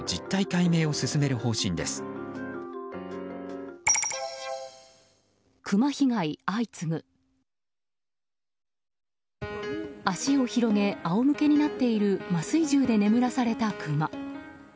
足を広げ仰向けになっている麻酔銃で眠らされたクマ。